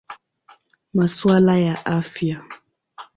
Masuala ya Afya.